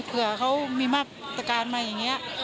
เผื่อเขามีมาตรการมาอย่างนี้